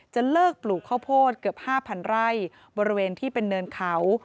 จะเลิกปลูกข้าวโพดเกือบ๕๐๐ไร่บริเวณที่เป็นเนินเขา